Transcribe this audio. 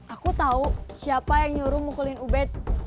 aku tahu siapa yang nyuruh mukulin ubed